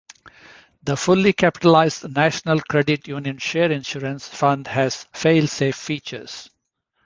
The fully capitalized National Credit Union Share Insurance Fund has "fail safe" features.